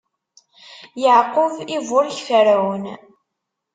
Yeɛqub iburek Ferɛun.